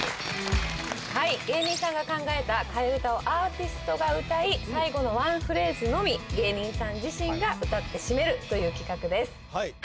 はい芸人さんが考えた替え歌をアーティストが歌い最後のワンフレーズのみ芸人さん自身が歌ってシメるという企画です